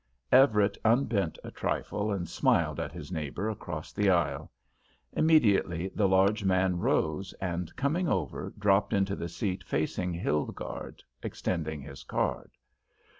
Everett unbent a trifle, and smiled at his neighbour across the aisle. Immediately the large man rose and coming over dropped into the seat facing Hilgarde, extending his card.